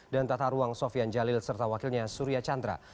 dan tata ruang sofian jalil serta wakilnya surya chandra